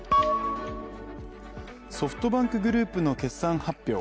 ソフトバンクグループの決算発表。